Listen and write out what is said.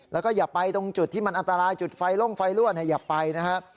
แล้วก็อย่าไปตรงจุดที่มันอันตรายจุดไฟล่มไฟรั่วอย่าไปนะฮะ